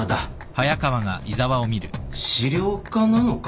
資料課なのか？